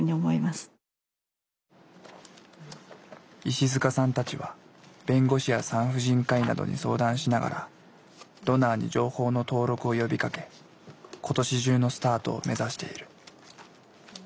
石塚さんたちは弁護士や産婦人科医などに相談しながらドナーに情報の登録を呼びかけ今年中のスタートを目指している。